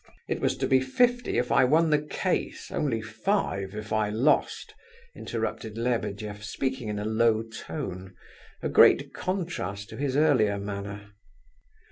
"It was to be fifty if I won the case, only five if I lost," interrupted Lebedeff, speaking in a low tone, a great contrast to his earlier manner.